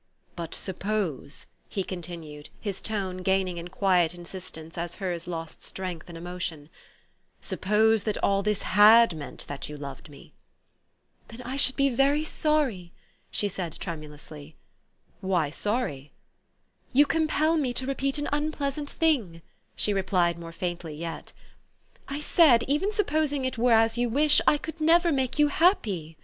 u But suppose," he continued, his tone gaining in quiet insistence as hers lost strength in emotion, " suppose that all this had meant that you loved me?" " Then I should be very sorry," she said tremu lously. "Why sorry?" " You compel me to repeat an unpleasant thing," she replied more faintly yet. "I said, even sup posing it were as you wish, I could never make you happy.